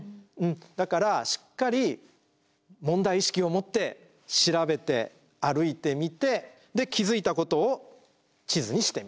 だからしっかり問題意識を持って調べて歩いてみてで気付いたことを地図にしてみる。